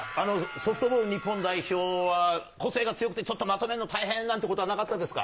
ソフトボール日本代表は、個性が強くて、ちょっとまとめるの大変なんてことはなかったですか。